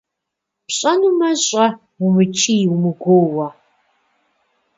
ПщӀэнумэ, щӀэ, умыкӀий-умыгуоуэ!